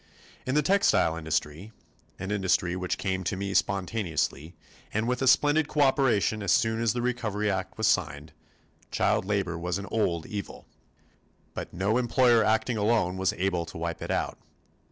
In the textile industry an industry which came to me spontaneously and with a splendid cooperation as soon as the recovery act was signed child labor was an old evil. But no employer acting alone was able to wipe it out.